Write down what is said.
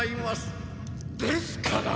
ですから！